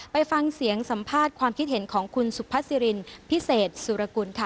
ไปฟังเสียงสัมภาษณ์ความคิดเห็นของคุณสุพัสซิรินพิเศษสุรกุลค่ะ